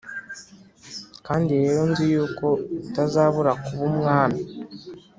Kandi rero nzi yuko utazabura kuba umwami